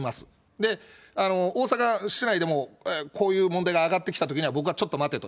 で、大阪市内でもこういう問題が上がってきたときには、僕はちょっと待てと。